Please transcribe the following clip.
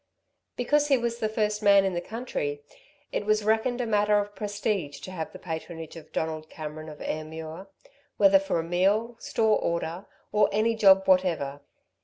Because he was the first man in the country, it was reckoned a matter of prestige to have the patronage of Donald Cameron of Ayrmuir, whether for a meal, store order, or any job whatever.